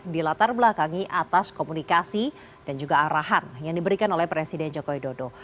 dilatar belakangi atas komunikasi dan juga arahan yang diberikan oleh presiden joko widodo